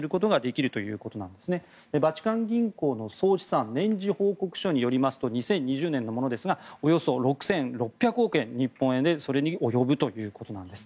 バチカン銀行の総資産年次報告書によりますと２０２０年のものですがおよそ６６００億円日本円でそれに及ぶということです。